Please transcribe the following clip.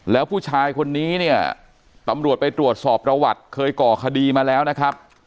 แล้วผู้ชายคนนี้เนี่ยตำรวจไปตรวจสอบประวัติเคยก่อคดีมาแล้วนะครับ